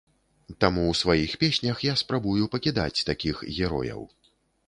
Таму ў сваіх песнях я спрабую пакідаць такіх герояў.